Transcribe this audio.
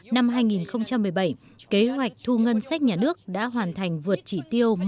năm hai nghìn một mươi bảy kế hoạch thu ngân sách nhà nước đã hoàn thành vượt chỉ tiêu